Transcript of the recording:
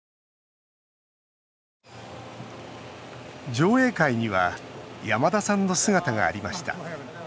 上映会には山田さんの姿がありました。